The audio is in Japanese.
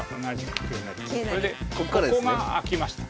これでここが空きました。